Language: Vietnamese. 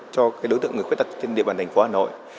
cho đối tượng người khuyết tật trên địa bàn thành phố hà nội